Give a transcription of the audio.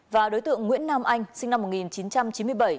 và đối tượng nguyễn nam anh sinh năm một nghìn chín trăm chín mươi bảy